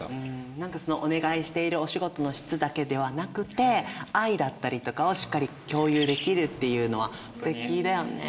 何かそのお願いしているお仕事の質だけではなくて愛だったりとかをしっかり共有できるっていうのはすてきだよね。